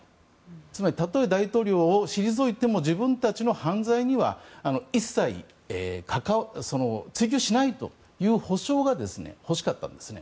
つまり、たとえ大統領を退いても、自分たちの犯罪には一切追及しないという保証が欲しかったんですね。